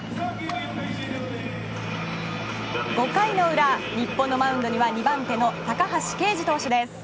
５回の裏、日本のマウンドには２番手の高橋奎二投手です。